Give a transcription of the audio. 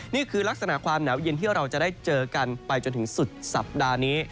นี่คือลักษณะความหนาวเย็นที่เราจะได้เจอกันไปจนถึงสุดสัปดาห์นี้